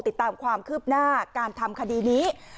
ติดตามความคืบหน้าการทำคดีนี้